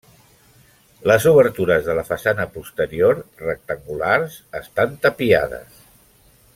Les obertures de la façana posterior, rectangulars, estan tapiades.